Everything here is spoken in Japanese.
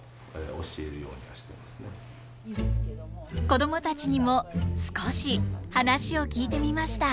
子供たちにも少し話を聞いてみました。